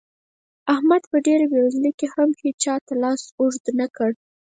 احمد په ډېره بېوزلۍ کې هم هيچا ته لاس اوږد نه کړ.